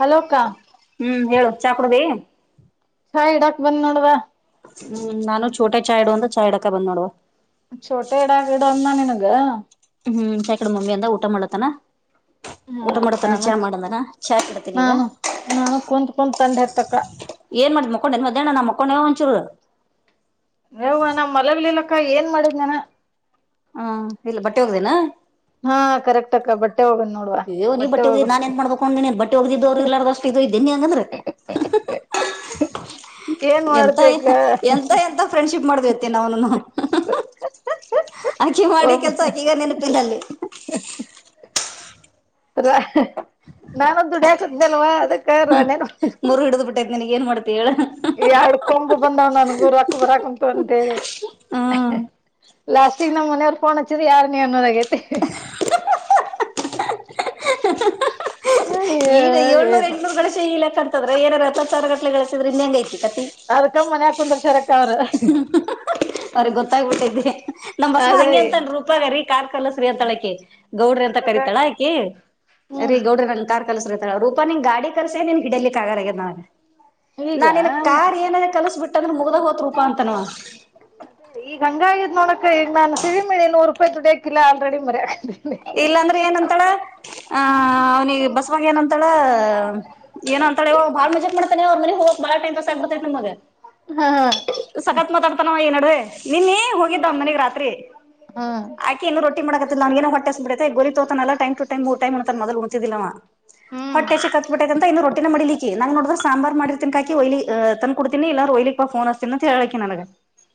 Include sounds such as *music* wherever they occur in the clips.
ಹಲೋಕ್ಕಾ ಹ್ಮ್ ಹೇಳು, ಚಾ ಕುಡಿದಿ ಚಾ ಇಡಾಕ್ ಬಂದ್ ನೋಡವಾ ಹ್ಮ್ ನಾನು ಛೋಟಾ ಚಾಯ್ ಇಡು ಅಂತ ಚಾಯ್ಡಕ ಬಂದ್ ನೋಡುವ ಛೋಟೆ ಎಡಿಡ ಅನ್ನ ನಿನಗ ಹ್ಮ್ ಶಕಡೆ ಮಮ್ಮಿ ಅಂದ ಊಟ ಮಾಡ್ತನ ಹ್ಮ ನಾನು ಚಾ ಇಡ್ತೀನಿ ಈಗ ನಾನು ನಾನು ಕುತ್ ಕುಂತ ತಂಡೆ ಎತಕ್ಕ ಏನ್ ಮಾಡ್ದ್ ಮಕೊಂಡ ನ್ ಮದ್ದಣ್ಣ ನಾ ಮಕ್ಕೊಂಡೆ ಒಂಚೂರು ನ್ ನಮ್ಮ್ ಮಲಗ್ಲಲಕ್ಕ ಏನ್ ಮಾಡಿದ್ನನ ಹ್ಮ ಇಲ್ಲ ಬಟ್ಟೆ ಹೋಗ್ದೇನಾ ಹಾ ಕರೆಕ್ಟ್ ಆಕ ಬಟ್ಟ ಅಯೋ ನೀ ಬಟ್ಟಿ ಹೋಗಿ ನಾನ್ಏನ್ ಮಾಡಬೇಕಕೊಂಡು ನೀನ್ ಬಿ ಹೋಗ್ದಿದ್ದ್ರುಲ್ಲಾರಷ್ಟ ಇದ ತಿನ್ನಿ ಹಂಗಂದ್ರೆ ಏನ್ ಎಂತ ಮಾಡ್ತಕ್ಕ ಎಂತ ಎಂತ ಫ್ರೆಂಡ್ಶಿಪ್ ಮಾಡ್ದತಿ ನ ಅವನನು ಆಕೆ ಮಾಡಿ ಒಬ್ ಕೆಲ್ಸ ಆಕ ಈಗ ನೆನಪಿನಲ್ಲಿ ರ ನಾನೊ ದುಡಿ ಹಾಕತಿದ್ದಲ್ವಾ ಅದಕ್ಕ ರಾಣೆನು ಮೂರು ಹಿಡಿದು ಬಿಟ್ಟೈತ್ ನನಗೆ ಎರಡು ಕೊಂಬು ಬಂದಾವ್ ನನ್ ರಕಂಬ ರಾಕಮ ತ ಅಂತೆ ಹ್ಮ್ ಲಾಸ್ಟಿಗೆ ನಮ್ಮ್ ಮನೆಯವ್ರು ಫೋನ್ ಹಚ್ಚಿದ ಯಾರ ನೀ ಅನ್ನೋದಾಗೈತೆ ಈಗ ಏಳ್ನೂರ ಏನು ಎಂಟನೂರು ಕಳೆ ಇಲ್ಲ ಕರ್ತದ್ರ ಏಾರರ ಹಪ್ಪತ್ತಾರು ಗಟ್ಲೆಳಸಿದ್ರ ಇನ್ಂ ಐತಿ ಕತಿ ಅದ ಕಮ್ಮನ್ ಯಾಕುಂದ್ರ ಶರಕ ಅವ್ರ ಅವ್ರಿಗೆ ಗೊತ್ತಾಗ್ಬಿಟ್ಟಿದ್ಿ ನಮ್ ಬಸ್ಮ ಅದೇ ಹಂಗೆ ಅಂತನ್ ರೂಪ ರೀ ಕಾರ್ ಕಲ್ಲಸ್ರೀ ಅಂತಳಕ್ಕೆ ಗೌಡ್ರ ಅಂತ ಕರಿತಾಳಾ ಆಕಿ ರೀ ಹ್ಮ್ ಗೌಡ್ರ ನಾರ್ ಕಲಸ್ರತಳ ರೂಪಾನ್ ಗಾಡಿ ಕರ್ಸೇ ನೀನ್ ಗಿಡಲಿ ಕಗಗನ ಈಗ ನಾನ ಇನ್ ಕಾರ್ ಏನದ ಕಲ್ಸ ಬಿಿಟ್ಟಂದ್ರೆ ಮುಗ್ದಾಗ ಹೋತ್ ರೂಪಾ ಅಂತನ ಈಗ ಗಂಗಾಯದ್ ನೋಡಕ ಈಗ ನಾನು ಸಿಿವಿಮಿಿ ನೂರು ರೂಪಾಯಿ ದುಡ್ಡ ಕಿಿಲ್ಲ ಆಲ್ರೆಡಿ ಮರ ಇಲ್ಲಾಂದ್ರೆ ಏನಂತಳ ಆ ಅವ್ನಿಗೆ ಬಸ್ವಾಗ ಏನಂತಳ ಏನ ಅಂತಳ ಬಾಳ ಮಜಾಕ್ ಮಾಡತಾನ ಅವ ಮನೆ ಹೋಗ ಬಾಳ ಟೈನ್ ದೋಸೆ ಆಗ್ಬತೈತಿ ನಿಮಮ್ಮಗ ಹಾ ಸಕಾತ್ ಮಾತಾಡ್ತಾನವ ಏ ನಡೆ ನೀನ್ನೇ ಹೋಗಿದ್ದ ಮನೆಗೆ ರಾತ್ರಿ ಆಕೆ ಇನ್ನು ರೊಟ್ಟಿ ಮಾಡಕತ್ತಿಲ್ಲ ನನ್ಗ ಹೊಟ್ಟ ಬಿಡತೆ ಗರಿ ತೋತ ಅಲ್ಲ ಟಮ ಟ ಟೈ್ ಮೂ ಟಮ್ಂತ ಮೊದಲ್ ಕುಂತಿದಿಲ್ಲವ ಹ್ಮ್ ಹೊಟ್ಟೆಷೆ ಕತ್ಬಿಟ್ಟೈತ ಅ ಇನ್ನು ರಟ್ಟಿನ ನ ಮಾಡಲಿ ನೋಡ್ರ ಸಾಂಬಾರಾರ್ ಮಾಡಿರ್ತನ್ಕಿ ಒಯ್ಲಿ ತನ್ ಕೊಡ್ತೀನಿಲ್ಲರ ಒಯ್ಲಿ ಫನ್ ಅತನ ಹೇಳಳ್ಿ ನಗ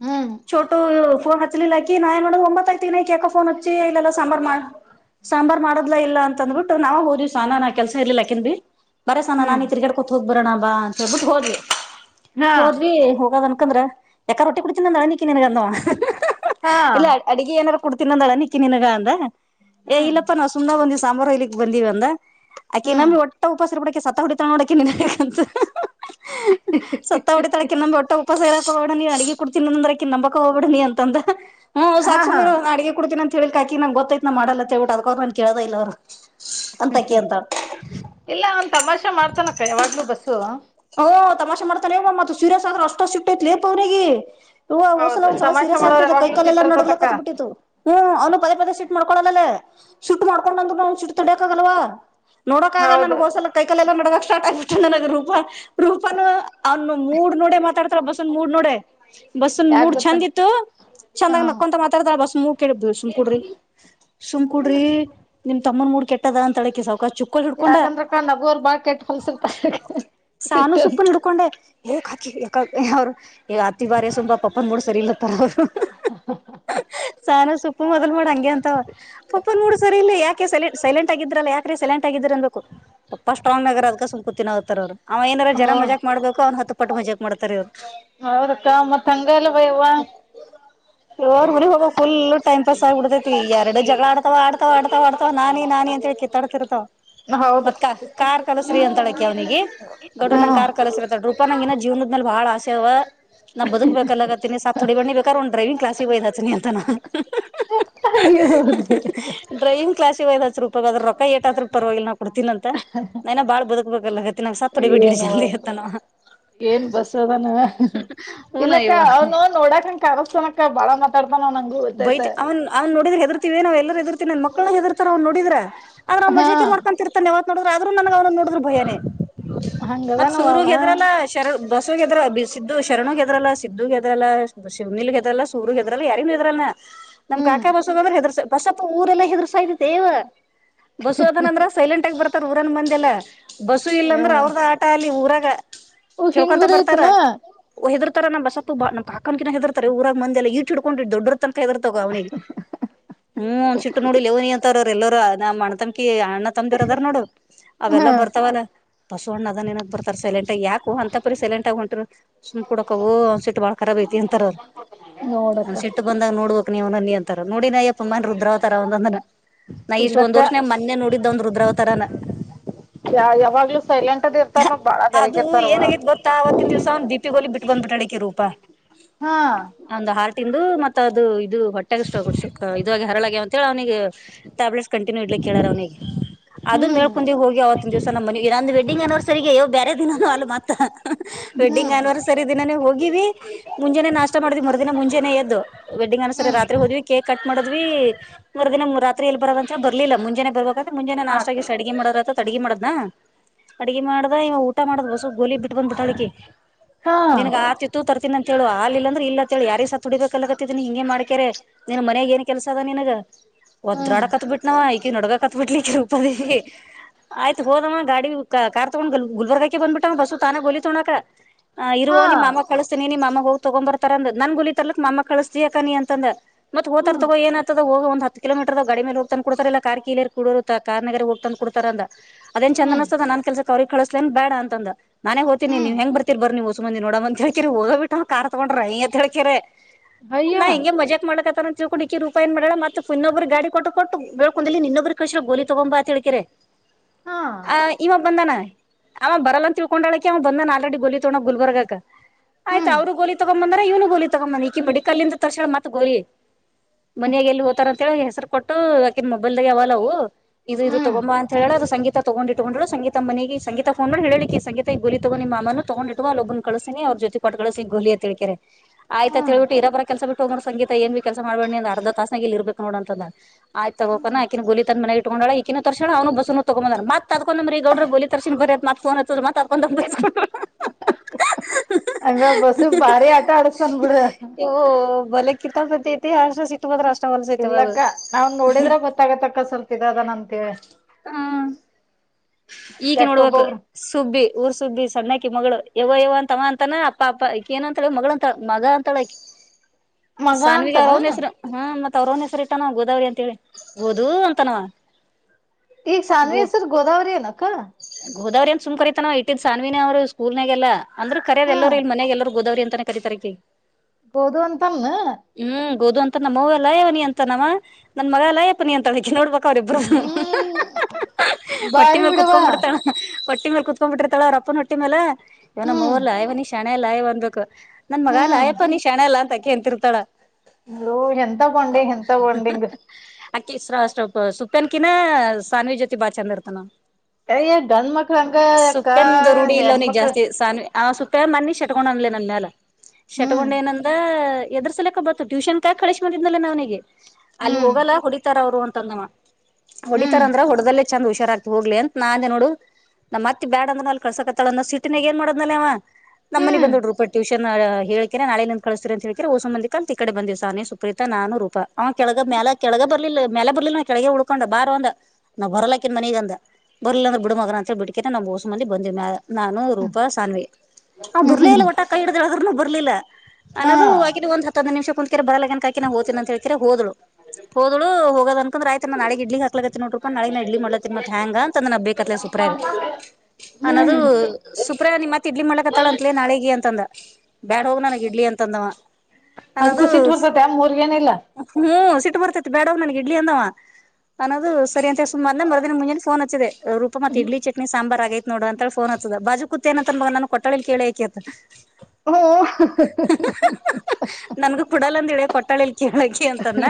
ಹ್ಮ್ ಹ್ಮ್ ಚೋಟುಫೋನ್ ಹಚ್ಲಿಲ್ಲಾಕ ನಾ ಏ ನೋಡ ಒಂಬತ್ತತಿನಾಕೋ ೋನ್ ಹಚ್ಚಿ ಇಲ್ಲಾ ಸಾಂಬಾರು ಮಾಡ ಸಾಂಬಾರ್ ಮಾಡೋದ್ಲ ಇಲ್ಲ ಅಂತ ಅಂದ್ಬಿಟ್ಟು ನಾವ ಹೋದಿವವಿ ಸಾನ ನಾ ಕೆಲ್ಸ ಇರ್ಲಿಲ್ಲಾಕನ್ ಬಿಿ ಬರೇ ಸಣ ಹ್ಮ್ ನಾನನ್ ಈ ತಿರ್ಗಡ್ ಕೂತ್ ಹೋಗ್ ಬರೋಣ ಬ ಅಂತ ಹೇಳಳ್ಬಿಟ್ಟು ಹೋದ್ವಿ ಹಾ ಹೋದ್ವಿ ಹೋಗೋದ ಂದ್ರ ಯಾಕ ರೊಟ್ಟಿ ಕುಡತ ನಳಿನ್ಗೆ ಅಧವಾ ಹಾ ಇಲ್ಲ ಅಡುಿಗೆ ಏನ ಕುಡ್ತನ ಅಂದಾಳ ನಿಕ್ಕಿಿನಗ ಅಂದ ಏ ಹ್ಮ್ ಇಲ್ಲಪ್ಪಾ ನಾವು ಸುಮ ಬಂದಿವ್ ಸಾಂಬಾರು ಇ್ಲಿಕ್ ಬಂದಿವವಿ ಅಂದ ಆಕೆ ಹ್ಮ್ ನಮಿ ಒಟ್ಟ ಉಪಾಸ ಸತ್ತ ಹೊಡಿತಳ ನೋಡಕ ನಿಂತ ಸತ್ತ ಹೊಡಿತಳಕ್ಕೆ ನ ಒಟ್ಟ ಪಪ್ಪ ಸೇರಕ ಹೋಗಬೇಣ ನೀ ಅಡಿಗೆ ಕೊಡ್ತನಿ ಅಂದ್ರ ಅಕ ನಂಬಕಗಬಡಣಿ ಅಂದ ಹ್ಮ್ ಹಾ ಹಾ ಸಾಕಕ್ು್ರ ಅಡುಿಗೆ ಕೊಡ್ತಿನಿ ಅಂತ ಹೇಳಿಕ್ ಹಕ ನಂಗ ಗೊತ್ತೈತ್ ನ ಮಾಡಲ್ಲೇಳ್ಿಟ್ಟ ಅದ ಅವ್ ನನ್ ಕೇಳದ ಇಲ್ಲ ಅವರು ಇಲ್ಲ ಅವನ್ ತಮಾಷಾ ಮಾಡ್ತಾನಕ್ಕ ಯಾವಾಗ್ಲೂ ಬಸ್ಸು ಓಹ ತಮಾೆ ಮಾಡ್ತಾರೆೇವತ್ ಸೂರ್ಯಸ್ ಆದ್ರರು ಅಷ್ಟು ಇಟ್ಟ ೈತ್ಲ ಪ ಅವನಿಗೆ ಹೂ ಹೊಸಲ ಹೌದು ಒಂದ್ಸಲ ತಮಾಷೆ ಸೀಯಸ್ ಆಗ್ಬ ಮಾಡೋರು ಬಿಟ್ಟಿತ್ತುೈ ಯಾವಾಗ್ಲೂ ಕಲ್ಲ ನೋಡ್ಲ ಸಿಟ್ಟಿರ್ತತಕ್ಕ ಕತ್ ಬಿಟ್ಟಿತ್ತು ಹ್ಮ್ ಅವನು ಪದೇದೇ ಮಾಡಕೊಳಲ್ಲಲ್ಲೇ ಸುಟ್ಟಟ್ ಮಾಡ್ಕೊಂಡು ಅಂದ್ರ ನ ಒ್ ಸುಟ್ಟ ತಡೋಕ್ ಆಗಲ್ವ ನೋಡೋಕ ಆಗ ನನ್ ಹೌದು ಹೋಸಲ ಕೈಕಲ್ಲ ಎಲ್ಲ ನಡಗಕ್ ಸ್ಟಾರ್ ಆಗಿಬಿಟ್ಟೆ ನನಗ ರೂಪ ರೂಪನು ಅವನು ಮೂಡ್ ನೋಡೆ ಮಾತಾಡ್ತಾರ ಬಸನ್ ಮೂಡ್ ನೋಡೆ ಬಸ್ನ್ ಯಾಕ್ ಮೂರ್ಡ್ ಚಂದ ಗೊತ್ತನ್ ಇತ್ತು ಚಂದಾಗ ಹಾ ನಕ್ಕೊಂತ ಮಾತಾಡ್ತಾರ ಬಸ್ ಮೂ ಕೇಳಬ ಸುಮ್ಕಡ್ರಿ ಸುಮ್ಕಡ್ರಿ ನಿಮ್ ತಮ್ಮನ್ ಮೂಡ್ ಕೆಟ್ಟ ಇಟ್ಟದ ಅಂತಳಕ ಸೌಕಾ ಚುಕ್ಕಲ್ ಹಿಡ್ಕೊಂಡ ಯಾಕಂದ್ರಕ್ಕ ನಗುವರ್ ಬಾಳ ಕೆಟ್ಟ ಹೊಲ್ಸಿರ್ತಾರ ಸಾನು ಸಿಟ್ಟ ಸೊಪ್ಪು ಅಂತ ಹಡ್ಕೊಂಡೆ ಅವರು ಈಗ ಆತ್ತತಿ ಬಾರ ಸುಪಾ ಪಾಪ್ಪನ್ ಮೂಡ್ ಸರಿ ಇಲ್ಲತ್ತ ಸಾನ ಸು ಪಪ್ಪ ಮೊದಲ್ ಮಾಡ ಹಂ ಅಂತ ಪಪ್ಪ ಅ ನಡ ಸರಿ ಇಲ್ಲ ಯಕೆೈಲೆ ಸೈಲೆಂಟ್ ಆಗಿದ್ರಲ್ಲ ಯಾಕೆ ಸೈಲೆಂಟ್ ಆಗಿದ್ರೆ ಅನ್ಬೇಕು ಪಪ್ಪಷ್ಟನ್್ಯಗಾರ ಅದಕ ಸುಕೂತಿನ ಹೋಗತಾರ ಅವರು ಅವ ಏನಾರ ಜರ ನೋಡ್ ಮಜಾಕ್ ಮಾಡಬೇಕು ಅವ್ ಹತ್ತು ಪಟ್ಟು ಮಜಾಕ್ ಮಾಡತಾರೆ ಇ್ರು ಹೌದಕ್ಕ ಮತ್ ಹಂಗ ಎಲ್ಲ ಭ್ *inaudible* ೋರ್ ಮುಿಗ್ ಹೋಗ ು ಟೈ್ ಪಾಸ್ ಆಗ್ಬಿಡ್ೈತಿ ಎರಡು ಜಗಳ ಆಡ್ತಾವ ಆತ ಆಡ್ತಾವ ಆಡ್ತಾವ ನಾನಿ ನಾನಿ ಅಂತ ಕ ತಳತಿರ್ತಾವ ಹೌದು ಮತ್ ಕ ಕಾರ್ ಕಲಸ್ರೀ ಅಂತಳಕ ಅವ್ನಿಗೆ ಗೌಡ ನಂ ಹ್ಮ್ ಕಾರ್ ಕಲಸರತ್ತದ ರೂಪ ನಂಗ ಇನ ಜೀವನದ ಮೇಲೆಾಳಸೆವ ನಾ ಬದುಕ್ ಬೇಕಲ್ಲಗತ್ತತಿನಿತ್ೋಡಿ ಬಣ್ಣ ಬೇಕ್ರ ಒ್ ಡೈವಿಂಗ್ಲಾಸಿಗೆ ಒಯ್ ಹತಿನಿ ಅಂತಾನ ಹ ಡ್ರೋಯಂಗ ಕ್ಲಸ್ ಶಿವಾಯ ನ ರರು ಾಗದ್ರ ರೊಕ್ಕ ಏಟಾದ್ರರು ಪರವಾಗಿಲ್ಲ ನಾ ಕೊಡ್ತೀನ ಅಂತ ನನ ಬಾಳ್ ಬದುಕ್ಬೇಕಲ್ಲಗತ್ತ ಸ ೋಡೆಿ ಬಿಡ್ಡಿಡ್ ಏನು ಜಂದಿತಾನ ಏನ್ ಬಸ್ದಾನ ಇಲ್ಲಕ್ಕ ಅವ ಅವ್ನು ನೋಡಾಕಂಗ ಕನಸ್ತನಕ್ಕ ಬಾಳ ಮಾತಾಡ್ತಾನ ನಂಗೂ ಬೈಟ್ ಗೊತ್ತೈತೆ ಅವನ್್ ನೋಡಿದ್ರ ಹೆದರ್ತವ ನಾವ ಎಲ್ಲರ ಎ ಹೆದರ್ತೀವಿ ನನ್ ಮಕ್ಳ ಹೆದಿರ್ತಾರ ಅವ್ ನೋಿದ್ರ ಆದ್ರ ಅವ ಹಾ ಮಜೆ ಮಾಡ್ಕೊಂತರ್ತೆ ಯವತ್ ನೋಡ್ರ ಆದ್ರೂ ನನ ಅವ್ನ್ನ ನೋಡ್ರ್ ಭಯನನೆ ಮತ್ತ ಹಂಗದಾನವ ಸೂರ ಅವ ಹೆದ್ರಲ್ಲ ಶರ ಬಸ್ ಗೆದ್ರ ಸಿದ್ದು ಶರಣ ಗೆದ್ರಲ್ಲ ಸಿದ್ದ ಗೆದ್ರಲ್ಲ ಶಿವ್ನಲ್ ಗೆದ್ರಲ್ಲ ಸೂ ಎದ್ರಲ್ಲ ಯಾರ ನಮ್ ಹ್ಮ್ ಕಾಕಾ ಬಸಬಾದ್ರ ಹೆದರ್ ಬಸಪ್ಪ ಊರೆಲ್ಲ ಹೆದರ್ಸಾ್ದ ದೇವ ಬಸು ಅದನಂದ್ರ ಸೈಲೆಂಟ್ ಆಗಿ ಬರ್ತಾರ ಊರನ್ ಮಂದೆಲ್ಲ ಬಸು ಇಲ್ಲ ಅಂದ್ರೆ ಅವ್ರದ ಆಟ ಅಲ್ಲಿ ಊರ ಓ ಹಿಂಗ್ ಕೇಳ್ಕೊಂತ ಬೇರೆ ಬರ್ತಾರ ಐತನಾ ಹೆದರು ರ ನಮ್ಮ ಬಸ ಬ ನಮ್ಮ ಪಕನಕಿ ಹ ಹೆದರ್ತಾರೆ ಊರದ ಮಂದೆಲ್ಲ ಈಟ್ ಹಿಡ್ಕೊಂಡಿ ದೊಡ್ಡತಂತ ಹೆದಿರ್ತವ ಅವನಿಗೆ ಹ್ಮ್ ಒ ಚಿಟ್ಟು ನೋಡಿ ಲೇವನಿ ಅಂತಾರ ಎಲ್ಲರೂ ನಮ್ಮ್ಣ್ಣ ತಮಕಿ ಅಣ್ಣ ತಂದ್ದರ್ ಅದ್ರ ನೋಡು ಹಾ ಅವೆಲ್ಲಾ ಬರ್ತಾವಲ್ಲ ಬಸವಣ್ಣ ಅದನ್ಏನಕ್ ಬರ್ಾರೆ ಸೈಲೆಂಟ್ ಯಾಕು ಅಂತರಿ ಸೈಲೆಂಟ್ ಆಗ ಹೊಂಟರು ಸು್ ಕುಡಕ ಹೋಸಟ್ ಖರಾಬ ಐತಿ ಅಂತರ ನೋಡಕ್ಕ ನೋಡ್ಬೇಕಕ್ ನೀವು ನನ್ನಿ ಅಂತ ನೋಡಿ ನಯ್ಯಪ್ಪ ಮನ್ ರುದ್ರಾವತಾರ ಒಂದ ನಾ ಇಷ್ಟು ಒಂದ ಇಲ್ಲಕ್ಕ ವರ್ಷ ಮೊೆ ನೋಡಿದ್ದಂದ್ ರುದ್ರಾವ ತರ ಯ ಯಾವಾಗ್ಲೂ ಸೈಲೆಂಟ್ ಅದ್ ಇರ್ತಾರನ ಬಾಳ ಬೆರೆಗೆ ಇರ್ತಾರವಾ ಸ್ ದೀಪಿಗಲಿ ಬಿಟ್ು ಬಂದ್ ಬಿಟ್ಟಡಕ್ಕೆ ರೂಪ ಹಾ ತಿಂದು ಮತ್ತ ಅದು ಇದು ಹೊಟ್ಟೆಾಗಷ್ಟಸ ಇದಾಗಿ ಹರಳಾಗ್ಯವಂತೇಳಿ ಅವ್ನಿಿಗೆ ಟ್ಯಾಬ್ಲೆಟ್ಸ್ ಕಂಟಿನ್ಯ ಇಲಿ ಕೋಾರ ಅವ್ನಿಗೆ ಅದು ಹ್ಮ್ ಮೇಳ್ಕೊಂಡಿ ಹೋಗಿ ಅವತ್ತ ದಿವಸ ನಮ್ಮ ಮ ನಂದು ವೆಡ್ಡಿಂಗ್ ಅನಿವರ್ಸರಿರಿಗೆ ಅಯ್ಯೋ ಬೇರೆ ದಿನಾನನು ಅಲ್ ಮತ್ತ ವೆಡ್ಡಿಂಗ್ ಹ್ಮ್ ಆನಿವರ್ಸರಿ ದಿನಾನೇ ಹೋಗಿವವಿ ಮುಂಜೆಾನೇ ನಾಷ್ಟ ಮಾಡ್ವಿ ಮರ್ದಿನ ಮುಂಜಾನೇ ಎದ್ದು ವೆಡ್ಡಿಂಗ್ ಅನ್ಸರಿ ಹ್ಮ್ ರಾತ್ರಿ ಹೋದ್ವಿ ಕೇಕ್ ಕಟ್ ಮಾಡೋದ್ವಿ ಮೂರ ದಿನ ಮೂಾತ್ರಿ ಎಲ್ಲಿ ಬರದ ಅಂತ ಬರ್ಿಲ್ಲ ಮುಂಜೆ ಬಬೇಕಂದ ಮುಜೆ ನಾಟ್ ಆಾಗಿ ಹಾಕ್ರಿ ಸಿಗೆ ಮಾಡೋದದು ಅಡಗೆ ಮಾಡದ್ನ ಅಡಗೆ ಮಾಡ್ದ ಇವ ಊಟ ಮಾಡದ್ ಬಸು ಗೋಲಿ ಬಿಟ್ಟ ಬಂದ್ಬಟ್ಟ ಅಡಿಗೆ ಹಾ ನಿನಗ ಆತಿತ್ತು ತರ್ತೀಿ ಅಂತ ಹೇಳು ಹಾಲ ಇಿಲ್ಲ ಅಂದ್ರೆ ಇಲ್ಲಂತೇಳಿ ಯಾರಿೀ ಸತ್ ಕುುಡಿಬೇಕಲ್ಲ ನೀ ಹಿಂಗೆ ಮಾಡ್ಕರೆ ನಿನ್ ಮನಯಾಗ ಏನ್ ಕೆಲಸ ಅದ ನಿಿನ ಒದ ಹ್ಮ್ ದ್ರಾಡ ಕತ್ ಬಿಿಟ್ಟನವಯ ನೊಡ್ಗ ಕತ್ಬಿಡ್ಲಿಕ್ಕೆ ರೂಪದೀವಿ ಆಯ್ತು ಹೋದಮ್ಮ ಗಾಡಿ ಕಾರ್ ತಗೊಂಡ್ ಗುಲ್ಬರ್ಗಾ ಬಂದಬಿಟ್ಟ ಬಸ್ಸ ತಾನಾಗ ಹೋಲಿ ತುಣಕ ಇರುವೋ ಹಾ ನಿಮ್ಮ ಕಳಸ್ತೀನಿ ನಿಮ್ಮ ಅಮ್ಮ ಹೋಗಿ ತಗೊಂಡ್ ಬರ್ತಾರ ಅಂದ ನನ್ ಗುಲಿ ತರ್ಲಕ್ ಮಾಮ್ಮ ಕಳಸ್ತನಿ ಕಾನಿ ಅಂತಂದ ಮತ್ತತ್ ಹೋತಾರ ಹ್ಮ್ ತಗೋ ಏನ್ತದೋಗ ಹತ್ತು ಕಿಲೋೀಟರ್್ ಗಡಿ ಮೇಲೆ ಹ್ತ್ ಕೊಡ್ತಾರಲ್ಲ ಕಾರ್ ಕಿ ಕಡರುತ್ತ ಕಾರ್ನಾರ ಹೋಗತಾ ಕುಡ್ತಾರ ಅಂತ ಅದೇನ್ ಚಂದ ಹ್ಮ್ ಅನಸ್ತದ ನನ್ ಕೆಲ್ಸಕ್ಕೆ ಅವ್ರಿಗೆ ಕಳಸ್ಲೇನ್ ಬೇಡ ಅಂದ ನೇ ಹೋತೀನಿ ನೀವ ಹ್ಮ್ ಹೆಂಗ ಬರ್ತತಿರ್ ಬರ್ ನೀವು ಸು ಮಂದಿ ನೋಡ ಬಂದ ಹೇಕೇರಿ ಹೋಗ ಬಿಟ್ಟ ಕಾರ್ ತಗೊಂಡ್ರ ಹಂಗ ಅಂತ ಹೇಳಳ್ಕ್ರ ಅಯ್ಯ ನಾ ಹ ಹೆಂಗೆ ಮಜಾಕ್ ಮಾಡಕ್ತ ತಿಳ್ಕೊಂಡು ಈಕಿ ರೂಪಾಯ ಏನ್ ಮಾಡಾಳ ಮತ್ತ ಪುನ್ನೊಬ್ರು ಗಾಡಿ ಕೊಟ್ಟ ಕೊಟ್ಟುಳ್ಕೊಂಡ ಇನ್ನೊಬ್ರು ಕಳೆಸಳ ಗೋಲಿ ತಗೊಂಬಾ ಅಂತ ಹೇಳಿಕೆರಿ ಹಾ ಆ ಇವ ಬಂದಾನ ಅವ ಬರಲ್ಲ ಅಂತ ತಿಳ್ಕೊಂಡಾಳಕ್ಕೆ ಅವ ಬಂದಾನ ಆಲ್ರೆಡಿ ಗೊಲಿ ತೋಗಳಾಕ್ ಗುಲ್ಬರ್ಗಕ್ ಆಯ್ತ ಹ್ಮ್ ಅವರು ಗೋಲಿ ತಗೊಂಬಂದ್ರ ಇವನು ಗೋಲಿ ತಗೊ ಬಂದ್ ಈಕಿ ಮಡಿ ಕಲ್ಲಿಂದ ತರ್ಸೋಳ ಮತ್ತ ಗೋಲಿ ಮನಯಾಗ ಎಲ್ಲಿ ಹೋತಾರ ಅಂತಿ ಹೆಸರು ಕೊಟ್ಟು ಅಕಿನ ಮೊಬೈಲ್ದಾಗ ಯಾವಲ್ಲವು ಇದು ಇದು ಹ್ಮ್ ತಗೊಂಬ ಅಂತ ಹೇಳಳ ಅದು ಸಂಗೀತ ತಗೊಂಡ ಇಟ್ಕೊಂಡ್ರು ಸಂಗೀತ ಮನೆಗೆ ಸಂಗೀತ ಫೋನ್ ಮಾಡಿ ಹೇಳಲಿಕ್ಕೆ ಸಂಗೀತ ಗೋಲಿ ತಗ ನಿಮ್ಮ ಮಾಮುನ್ನು ತಗೊಂಡ ಇಟಗೋ ಅಲ್ಲೇ ಒಬ್ನ್ನ ಕಳಸತನ ಜ್ಯೋತಿ ಪಟ್ಗಳು ಸಿಂಗುಯ ಗೋಲಿ ತಿಳಿಕರೆ ಆಯ್ತತ ಹೇಳ ಹ್ಮ್ ಬಿಟ್ಟ ಇರ ಬರ ಕೆಲಸ ಬಿಟ್ಟು ಹೋಗ ಸಂಗೀತ ಏನ್ ಬಿ ಕೆಲಸ ಮಾಡ್ಬೇಡ ಅರ್ಧ ತಾಸ ಇರ್ಬೇಕು ನೋಡ ಅಂತಂದ ಆಯ್ತ ತಗೋ ಆಕಿನ ಗೊಲಿ ತಂದ ಮನೆಗ ಇಟ್ಕೊಂಡಳ ಕನ್ನು ತರ್ಶಣ ಅವ್ನು ಬಸನು ತಗೊಂಬಂದ್ರ ಮತ್ ಅಕೊಂಡಂದ್ರ ಈ ಗೌಡ್ರ ಬಲಿ ತರ್ಶ್ ಬರತ್ ಫೋನ್ ಹಚ್ಚಿದಳು ಮತ್ ಅದ್ಕ ಬೈಸಾಕೊಂದಲೂ ಹ ಹಂಗ ಬಸ್ ಭಾರಿ ಆಟ ಆಡಸ್ತಾನ ಬಿಡ ಓ ಬಲೋ ಕಿತಾಪತಿ ಅಷ್ಟೇ ಸಿಟ್ಟ ಬಂದರ್ ಅಷ್ಟ ಹೊಲಸೈತಿ ಅದು ಇಲ್ಲಕ್ಕ ಅವ್ನ್ ನೋಡಿದ್ರ ಗೊತ್ತಾಗತ್ತ ಅಕ್ಕ ಸ್ವಲ್ಪ ಇದು ಅದಾನ್ ಅಂತೇಳಿ. ಹ್ಮ ಇಕಿ ಕೆಟ್ಟ ನೋಡ್ಬೇಕು ಒಬ್ಬೊಬ್ರು ಸುಬ್ಬಿ ಊರ್ ಸುಬ್ಬಿ ಸಣ್ಣಕಿ ಮಗಳು. ಯವೋ ಯವ್ ಅಂತವ ಅಂತಾನ ಅಪ್ಪ ಅಪ್ಪ ಇಕಿ ಏನ ಅಂತಳ ಮಗಳ ಅಂತ ಮಗ ಅಂತಳ ಅಕಿ. ಮಗ ಸಾನ್ವಿಗ ಅವುರ ಅಂತನ ಅವನೇಸರು ಹ ಮತ್ತೆ. ಅವ್ರನ ಹೆಸರಿ ಇಟ್ಟ ನ ಗೋದಾವರಿ ಅಂತ ಹೇಳಿ ಗೊದು ಅಂತನ ಆವಾ ಈ ಸಾನ್ವಿ ಹೆಸರ್ ಗೋದಾವರಿ ಏನ ಅಕ್ಕ ಗೋದಾವರಿ ಅಂತ ಸುಮ್ ಕರಿತನ್ ಇಟ್ಟಿದ್ದ ಸಾನ್ವಿನ ಅವರು ಸ್ಕೂಲ್ನಾಗಲ್ಲ ಅಂದ್ರ ಕರೆದ ಹಾ ಎಲ್ಲರು ಇಲ್ಲಿ ಮನೆಗೆಲ್ಲರು ಗೋದಾವರಿ ಅಂತ. ಅಂತ ನ ಕರೀತಾರ ಅಕಿಗೆ. ಗೊದು ಅಂತನ್. ಗೊದು ಅಂತ ನಮ್ಮವ ಲಯಾಯವನಿ ಅಂತ ನವ ನನ್ ಮಗ ಯಲ ಅಪ್ಪ ಅಂತ ನೋಡ್ಬ. ಅವರಿಬ್ಬರು ಹ್ಮ್ ಹೊಟ್ಟಿ ಬಾರಿ ಮೇಲೆ ಬಿಡವಾ ಕುೂತ್ಕೊಂಡ್ ಬಿಡ್ತಳ ಹೊಟ್ಟಿ. ಹೊಟ್ಟೆ ಮೇಲೆ ಕುತ್ಕೊಂಡ ಬಿಟ್ಟಿರಾತಳ ಅವರಪ್ಪನ ಹೊಟ್ಟ ಮೇಲೆ ಯವ್ವ ನಮ್ ಅವ್ವ ಹ್ಮ್ ಅಲ್ಲ ನೀ ಶ್ಯಾಣೇ. ಮನ ಲಯ್ ಬಂದಬೇಕು ನನ್ ಮಗ ಯಲ ಹ್ಮ್ ಎಂತ ಇರ್ತಾಳ. ಹಲೋ ಎಂಥ ಬಾಂಡಿಂಗ್ ಎಂತ ಬಾಂಡಿಂಗ್ ಅಕಿಪ ಸುಪ್ಪನ್ಕಿನ ಸಾನ್ವಿ ಜೊತಿ ಬಾಳ್ ಚಂದ ಇರ್ತಾನ. ಅಯ್ಯ ಗಂಡ ಮಕ್ಳ ಹಂಗ ಅಕ್ಕ ಸುಪ್ಪೆಂದ ರೂಡಿ ಇಲ್ಲವನಗ್ ಹೆಣ್ಮಕ್ಳು ಜಾಸ್ತಿ ಸಾನ್ವಿ. ಆ ಸುುತ್ತ ಮನ್ನಿ ಶಟಕೊಂಡನಲ ನನ ಮೇಲೆ ಶ. ಹ್ಮ್ ಎದರ್ಸಲಕ್ಕ ಬರ್ತು ಟ್ಯೂಷನ್ ಕ ಕಳಿಸಿ ಬಂದಿದಲೆ ನವನಿಗೆ ಅಲ್ಲಿ ಹ್ಮ್ ಹೋಗಲ್ಲ ಹೊಡಿತಾರ ಅವರು. ಹೊಡಿತಾರ ಹ್ಮ್ ಅಂದ್ರ ಹೊಡೆದಲ್ಲ. ಚಂದ ಹುಷಾರ್ ಆಗ್ತಿ ಹೋಗರ್ಲಿ ಎಂತ ನಾಂದ ನೋಡು ನಮ್ಮ ಅತ್ತಿ ಬ್ಯಾಡ ಅಂದ್ರ ನಲ್ಲಿ ಕಳ್ಸಕತ್ತಳ ಸಿಟ್ಟ್ನಾಗ ಏನ್ ಮಾಡದನಲವ. ನಮ್ಮನಗ್ ಹ್ಮ್ ಬಂದರೊ ರೂಪಟ್ ಟ್ಯೂಷನ್ ಹ ಹೇಳ. ನಾಳಿಂದ ಕಳಸ್ತೀ ಅಂತ ಹೇಳಿರ ಸಂದ ಒಸ್ ಮಂದಿ ಈ ಕಡೆ ಬಂದವಿ ಸಾನ್ವಿ ಸುಪ್ರೀತಾ ನಾನು ರೂಪ ಅವ ಕೆಳಗ ಮ್ಯಾಲ ಕೆಳಗ ಬರ್ಲಿಲ್ಲ ಮೇಲೆ ಬರ್ಲಿಲ್ಲ ಕೆಳಗೆ ಉಳ್ಕೊಂಡ ಬಾರಂದ ನಾವ್ ಬರಲಾಕಿನ್ ಮನಗೆಗಂದ. ಬರ್ಲಂದ್ರ ಬಿಡು ಮಗನ ಅಂತ ಹೇಳಿ ಬಿಡ್ಕೇ ನಾವುಊಸ ಮಂದಿ ಬಂದವಿ ಮೆಲ್ ನಾನು ಹ್ಮ್ ರೂಪ ಸಾನ್ವಿ ಅವ ಬರರ್ಲೇಲ್ಲ ಹ್ಮ್ ವಟ್ಟ ಕೈ ಹಿಡಿದ ಎಳೆದರೂ ಬರಲಿಲ್ಲ. ಹಾ ಅನ್ನೋದು ಆಕಿನ ಒಂದ ಹತ್ತ ಹದಿನೈದು ನಿಮಿಷ ಕುಂತಕೇರಾ ಬರ್ಲಾನ್ಕ ಹತೀನ ಅಂತೇಳ್ತರ ಹೋದ್ಳು ಹೋದಳ ಹೋದ ಅನ್ಕ್ರ ಆಯ್ತ ನಾಳೆಗಾ ಇಡ್ಲಿ ಹಾಕ್ಲತ್ತತಿ ನೋಡ್ ರೂಪ ನಾಳಿಗಾ ನಾ ಇಡ್ಲಿ ಮಾಡಲತಿ ಮತ್ ಹ್ಯಾಂಗ ಅಂತಂದ ನಾ ಬೇಕತ್ತತಿ. ಸೂಪರಗ. ಅನ್ನದು ಹ್ಮ್ ಸುಪ್ರ ನಿ ಮತ್ ಇಡ್ಲಿ ಮಾಡಕತ್ತಾಳ ಅಂತಲ ನಾಳೆಗಿ ಅಂತ ಅಂದ ಬ್ಯಾಡ ಹೋಗ್ ನನಗ ಇಡ್ಲಿ ಅಂತಂದವ. ಅನ್ನದು ಅದ್ಕೂ ಸಿಟ್ ಬರ್ತತೆ ಮೂರ್ಗೇನಿಲ್ಲ ಹ್ಮ್ ಸಿಟ್ಟ ಬರ್ತೇತಿ ಬೇಡ ಹೋಗ್ ನನಗೆ. ಇಡ್ಲಿ ಅಂದವ ಅನ್ನದು. ಸರಿ ಅಂತ ಸುಮಾರ ಮರದಿನ ಮುಂಜಲೇ ಫೋನ್ ಹಚ್ಚಿದೆ ರೂಪ ಮತ್ ಇಡ್ಲಿ ಚಟ್ನಿ ಸಾಂಬಾರ್ ಆಗೈತ್ ನೋಡ. ಳ ಫೋನ್ ಹಚ್ಚದಗ ಬಾಜು ಕುತ್ತ ಏನ ಅಂತನ್ ನನಗ ಕೊಟ್ಟಳ ಇಲ ಕೇಳಿಕ ಅಂತನ್. ಹು ನನಗೆ ಕೊಡಲ್ಲ ಅಂದಳ ಕೊಟ್ಟಳಕ್ಕೆ ಕೇಳಕಿ ಅಂತಾನ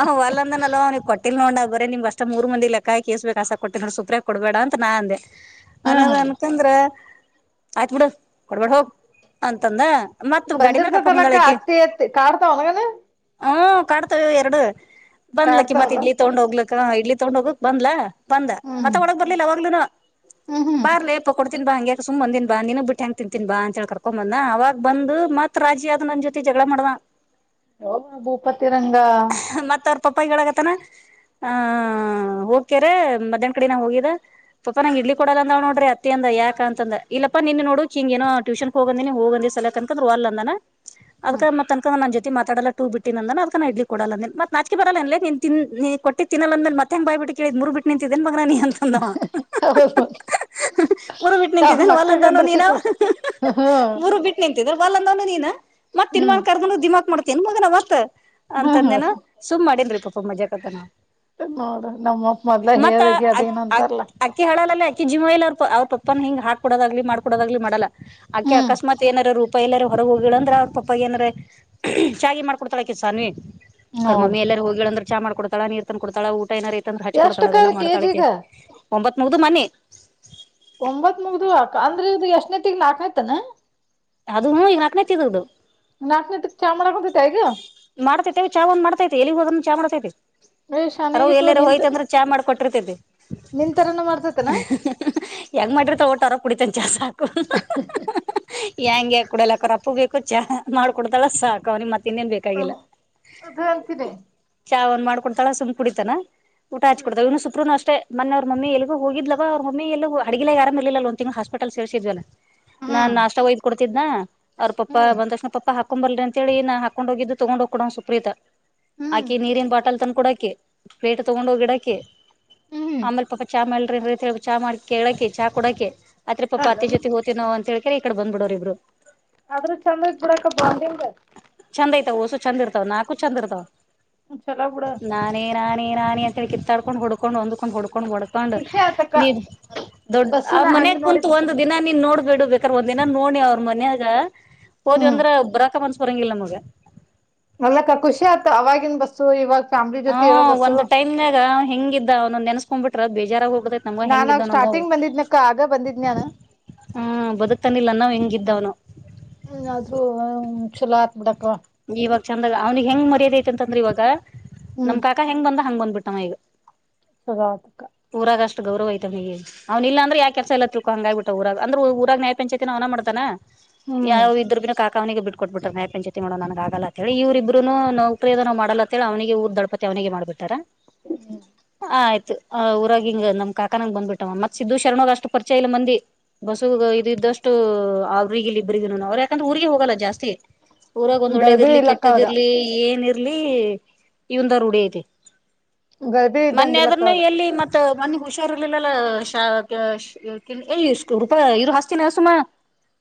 ಅ ವಲ್ಂದನ ಅವಿಗೆ ಕೊಟ್ಟಿಲ್ ನೋಡ. ಬರೇ ನಿಮ್ ಅಷ್ಟ ಮೂರ ಮಂದಿ ಲೆಕ್ಕಾ ಸ್ಬೇಕಕ್ಸ ಕೊಟ್ಟ ಸೂಪ್ರೆ ಕೊಡಬೇ ಅ ನಾ ಅಂದೆ. ಹಾ ಹಾ ಅನ್ನದ್ ಅನ್ಕಂದ್ರ ಆಯತ್ ಬಿಡ ಕೊಡ್ಬಿಡ ಹೋಗ ಅಂತಂದ. ಮತ್ ಗಾಡಿ ಮೇಲ್ ಕರ್ಕೊಂಡ್ ಬಂದಿರ್ತದಲಕ್ಕ ಬಂದಾಳಕಿ ಅತ್ತಿ ಅತ್ತಿ ಕಾಡ್ತಾವ ಒನಗನ. ಹ್ಮ ಕಾಡ್ತೇ ಎರಡು ಬಂದ್ಲಕ್ಕಿ ಮತ್ ಕಾಡ್ತಾವಲ್ಲ ಇಡ್ಲಿ ತೊಗೊಂಡ್ ಹೋಗ್ಲಕ್ಕ ಇಡ್ಲಿ ತಗೊಂಡ್ ಹೋಗಕ್ ಬಂದ್ಲ. ಬಂದ ಹ್ಮ್ ಮತ್ತೆ ಒಳಗ್ ಬರ್ಲಿಲ್ಲ ಅವಾಗ್ಲೂನು ಹ್ಮ್ ಹ್ಮ್ ಬಾರ್ಲಪ ಕೊ. ಬಾ ಹಂಗೆ ಸುಮ್ಮ ಅಂದಿನಿ ಬಾ ನೀನು ಬಿಟ್ಟ ಹ ಹೆಂ ತಿಂತೀನ್ ಬಾ ಅಂತ ಹೇಳಳ್ ಕರ್ಕೊ ಬಂದ ಅವಾಗ ಬಂದು. ಮತ್ ರಾಜಿ ಆದ ನನ್ ಜೊತೆ ಜಗಳ ಮಾಡನ. ಅವಭೂಪತ್ತರಂಗ. ಪಪ್ಪಾಯಿಗಳಗತನ ಆ ಹೋಗಕ್ಯಾರ ಮಧ್ಯಾಹನ ಕಡಿನ ಹೋಗಿದ. ಪಪ್ಪಾ ನಂಗ ಇಡ್ ಕೊಡದ ಅಂದಾಳ್ ನೋಡ್ರಿ ಅಂದ ಯಾಕ ಅಂದ ಇಲ್ಲಪ್ಪ ನಿನ್ ನೋಡುಕ್ ಹಿಂಗ ಟೂಷನ್ ಹೋಗಂದಿನ ನೀ ಹೋಗಂದ ಸಲಕ ಅಂತ. ಅಲ್ಲ ಅಂದ ಅದಕ ಹ್ಮ್ ಮ ತನಕ ನ ಜೊ. ಮಾತಡಲ್ಲಟೂ ಬಿಟ್ಟಿ ಅ ಅದಕ ಇಡ್ಲಿ ಕೊಡಲ್ಲ ಮತ್ತ ನಾಚಕಿ ಬರಲ್ಲ ನೀ ತಿ ನೀ ಕೊಟ್ಟಿ ತಿನ್ನ ಅಂದ ಮತ್ತೆ ಹೆಂಗ ಬಾಯ. ಬಿಟ್ಟ ಕೇಳಿದ್ ಮೂರು ಬಿಟ್ಟು ನಿಂತಿದ್ದೇನ್ ಮಗ ನ ನಾನ ಅಂತಂದವ ಹೌದು ಮೂರು ಬಿಟ್ಟು ತಾವ್ ನಿಂತಿದ್ದಲ್ಲ್ಲ ಮಕ್ಕಳಗಂದ್ರ ನೀನು ಸಿಟ್ಟು ಮುರು ಬಿಟ್ಟ ನಿಂತ ವಲ್ಯ ಅಂದವ ನೀನ್ ಮತ್ ತಿನ್ಮಾ ಹ್ಮ್ ಕರ್ ದಿಮಾಕ್ ಮಾಡ್ತೀನ್ ಮಗನ ಮತ್ತತ್ ಹ್ಮ್ ಅಂತಂದೇನ ಹ್ಮ್ ಸುಮ್ ಮಾಡೇನ್ ಪಾಪ ಮಜಾ ಕತ ನ ನೋಡ ನಮ್ಮಪ್ಪ ಮೊದ್ಲ ಮತ್ತ ಹೇಳಗೆ ಅದೇನಂತಾರಲ್ಲ ಅಕ್ಕಿ ಹಾಳಾಲಲ್ಲ ಜಿಮ ಎಲ್ಲ ಅವ್ರ ಪಪ್ಪ ಹಿ ಹಾಕಡೋದಾಗ್ಲಿ ಮಾಡಕಡದಾಗ್ಲಿ ಮಾಡಲ್ಲ ಹ್ಮ್ ಆಕಸ್ತ್ ಏನಾರೂ ಪಪ್ಪಾ ಎಲ್ಲಾರ ಹೊರಗೆ ಹೋಗಿಲ್ಲ ಅಂದ್ರ ಅವ್ರ ಪಾಪ್ಪ ಏನ್ರ ಚಾ ಮಾಡ್ಕ ಕೊಡ್ತಾಳ. ಅಕಿ ಸನ್ವಿ ಅವ್ರ ನೋಡ ಮಮ್ಮಿ ಎಲ್ಲಾರ ಹೋಗಿಳಂದ್ರ ಚ ಮಾಡ್ ಕೊಡ್ತಳ ನೀ ತಕ ಕೊಡ್ತಾಳಊ ಟೈನರ್ ಐತಂದ್ರೆ ಹಚ್ ಕೊಡ್ತಾಳ ಅದೆಲ್ಲ ಎಷ್ಟಕ್ಕದ ಮಾಡ್ತಾಳೆ ಕೆಜಿಗ ಒಂಬತ್ ಮುಗ್ದು ಮನಿ ಒಂಬತ್ ಮುಗ್ದ ಅಕ ಅಂದ್ರೆ ಇದು ಎಷ್ಟ ತಿಂಗಳ ನಾಕನೈತಾನ ಅದು ಈಗ ಹತೇನೆ ನೇ ತಿಂಗಳು ನಾಕ್ನೇತಿಗ್ ಚಾ ಮಾಡತೈತ ಈಗ ಆಗ ಮಾಡ್ತೈತೆತಿ ಚಾ ಒಂದ ಮಾಡ್ತೈತಿ ಎಲ್ಲಿಗ್ ಹೋಗದ ಚಾ ಮಾಡ್ತೈತಿ ಏ ಅವರ ಅವ್ವ ಶಾನಾಗಿತ್ತು ಎಲ್ಲಾರ ನಿಂತ ಹೋಯ್ತಂದ್ರೆ ಚಾ ಮಾಡಕೊಟ್ಟಿರ್ತತಿ ನಿಂತರನ ಮಾಡ್ತೈತನ ಯಂಗ ಮಾಡ್ರಿತ ಓಟ ಅವರಪ್ಪ ಕುಡಿತೀನ್ ಸಾಕು ಕುಡಿತನ್ ಸಕು ಹೆಯಾಂಗಗೆ ಕುಡಲಕರಪ್ಪು ಬೇಕು ಚಾ ಮಾಡ್ಕ ಕೊಡ್ತಳ ಸಾಕ ಅವಿ ಮತ್ತ ಇ ಹ ಅ ನತ ಚಾವ ಒನ್ ಮಾಡಕೊತಾಳ ಸುಮ್ ಕುಡಿತಾನ ಊ ಹಚ್ಕಡ್ತವ ಇವನು ಸುಪ್ರೂನು ಅಷ್ಟೇ ಮೊನ್ನೆ ಅವ್ರ ಮಮ್ಮಿ ಎಲ್ಲಿಗ ಹೋಗ್ವ ಅವ್ರ ಮಮ್ಮಿ ಎಲ್ಲ ಅಡಿಲ್ಲ ಯಾರಾಮ ಇಲಿಲ್ಲ ಒ ತಿಂಗ ಹಸ್ಪೆಟಲ್ ಸೇಸಿದ್ವಲ್ಲ ನಾನ್ ಹ್ಮ್ ನಾಷ್ಟ ಹಯ್ದ್ ಕೊಡ್ತಿದ್ನ ಅವ್ರ ಪಾ ಹ್ಮ್ ಬಂದ ತಕ್ಷಣ ಪಪ್ಪಾ ಹಾಕೊಂಡ್ ಬರ್ರರಿ ಅಂತ ಹೇಳಿ ನಾನ್ ಹಾಕೊಂಡ್ ಹೋಗಿದ್ದ ತೊಗೊಂಡ್ ಹೋಗ್ಡ ಸುಪ್ರೀತ ಹ್ಮ್ ಆಕಿ ನೀರಿನ ಬಾಟಲ್ ತನ್ ಕೂಡ ಆಕಿ ಪೇಟ್ ತೊಗೊಂಡ ಹೋಗಿ ಇಡಕಿ ಹ್ಮ್ ಆಮೇಲೆ ಪಾಪ ಚಾ ಮಾಡೇಲ್ ರ ಚಾ ಮಾಡ ಕೇಳಕಿ ಚಾ ಕೊಡಕಿ ಅತ್ ಪಾಪ ಅದ ಅತೆ ಜೊತೆ ಹೋತೇನೋ ಅಂತೇಕ್ರ ಈ ಕಡೆ ಬಂದ್ಡವ್ರ ಇಬ್ರು ಆದ್ರೂ ಚಂದ ಇದೆ ಬಿಡಕ್ಕ ಬಂಡಿಂಗ್ ವೋಸು ಚಂದ ಇರ್ತಾವ ನಾಕು ಚಂದ ಇರ್ತಾವ ಚಲೋ ಬುಡು ನಾನೇ ನಾನೇ ನಾನ ಅಂತೇಳ ಕಿತ್ತಾಡ್ಕೊಂಡ ಹೊುಡ್ಡು ಹೊಂದಕೊಂಡು ಹು ಡ್ಬಡ್ಕೊಂಡ್ ಖುಷಿ ಆತಕ್ಕ ನೀ ದೊಡ್ ಅವ ಬಸ್ಸುನ ಮನೆ ಹಂಗ್ ಕುಂತು ನೋಡಿದಕ್ಕ ಒಂದ ದಿನ ನೀ ನೋಡ್ ಬಿಡು ಬೇಕ್ರ ಒಂದ್ ದಿನ ನೋಡಿ ಅವ್ರ ಮನ್ಯಾಗ ಹೋದ್ ಹ್ಮ್ ಅಂದ್ರೆ ಬ್ರಾಕ ಅನ್ಸ್ ಬರಂಗಿಲ್ಲ ನಮಗ ಸೋಯ ವ ಹ ಒಂದ್ ಟೈಮ್ನಾಗ ಹೆಂಗಿದ್ದ್ ಅವ್ೊ್ ನೆನ್ಸ್ಕೊಂಡ್ಬ ಬಿಟ್ರ ಬೇಜಾರಾಗ ಹೋಗ ನಮ್ಗ ನಾನಾಗ ಹೆಂಗಿದ್ದ ನಂದು ಸ್ಟಾರ್ಟಿಂಗ್ ಬಂದಿದ್ನಕ್ಕ ಆಗ ಬಂದಿದ್ನ್ಯಾನ ಹಾ ಬದುಕ್ತಾನಿಲ್ಲ ಅನ್ನಾವ್ ಹೆಂಗಿದ್ದವ್ನು ಹ್ಮ್ ಆದ್ರೂ ಚಲೋ ಹತ್ ಬಿಡಕ್ ಇವಾಗ ಚಂದಾಗ ಅವನಿಗೆ ಹೆಂಗ್ ಮರ್ಯಾದೆ ಐತೆ ಅಂತಂದ್ರ ಇವಾಗ ಹ್ಮ್ ನಮ್ ಕಾಕಾ ಹೆಂಗ ಬಂದ ಹಂಗ ಬಂದ್ಬಿಟ್ಟಮ್ಮ ಈಗ ಸಗಾತಕ್ಕ ಗೌರವಯಐತವನಿಗೆ ಅವ್ನಿಲ್ಲ ಅಂದ್ರೆ ಯಾ ಕೆಲಸ ಎಲ್ಲ ತಿತ್ಕ ಹಂಗ್ಬಟ್ಟ ಊಾಗ ಅಂದ್ರ ಊಾಗನ್ಾಯ ಪಂಚಾಯತಿ ನಾ ಅವನ ಮಾಡ್ತಾನ. ಹ್ಮ್ ಯಾವ ಇದ್ರರು ಬಿಿನ ಕಾಕಾವನಿಗೆ ಬಿಟ್ಕ ಕೊಟ್ಬ ಬಿಿ್ರ ನಾಯಪಂ. ಚ ಮಾಡೋ ನನಗ ಆಗಲ್ಲ ಅಂತ ಹೇಳಿ ಇವ್ರ ಇಬ್ರುೂನು ನೌಕ್ರಯದನ ಮಾಡಲ್ಲ ಅಂತ ಹೇಳ ಅವನಿಗೆ ಊರ್ ದಡಪತಿ ಅವನಿಗೆ ಮಾಡ್ಬಿಟ್ಟಾರ. ಹ್ಮ್. ಆ ಆಯ್ತು ಆ ಊರಾಗಿ ಹಂಗ ನ್ ಕಾಕಾನನಂಗ ಬಂದ್ಬಿಟ್ಟವ ಮತ್ ಸಿದ್ದು ಶರಣ್ ಅಷ್ಟು ಪರಿಚಯ ಇಲ್ಲ ಮಂದಿ. ಬಸ್ಸು ಇದ ಇದ್ದಷ್ಟು ಅವ್ರಗ ಇಲ್ಲಿ ಇಬ್ಬ್ರಗನು ಅವ್ರ ಯಾಕಂದ್ರ ಊರ್ರಿಗೆ ಹೋಗಲ್ಲ ಜಾಸ್ತಿ. ಊರಾಗ ಒಂದ್ ಒಳ್ಳೇದ ಗರ್ಭಿಣಿ ಇರ್ಲಿ ಇಲ್ಲಕ್ಕ ಕೆಟ್ಟದ್ ಅವ್ರ ಇರ್ಲಿ ಏನ ಇರ್ಲಿ ಇವಂದಾರ ಉಡಿಯತಿ. ಗರ್ಭಿಣಿ ಮೊನ್ನೆ ಇದ್ದಂಗಿಲ್ಲಕ್ಕ ಅದ್ನು ಅವ್ರ ಎಲ್ಲಿ ಮತ್ತ ಮ ಹುಷ. ಇರ್ಲಿಲ್ಲಲ್ಲ ಏ ರೂಪ ಇರು ಹಸ್ತಿನ ಸುಮ.